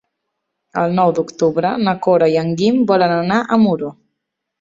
El nou d'octubre na Cora i en Guim volen anar a Muro.